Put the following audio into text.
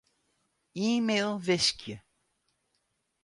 E-mail wiskje.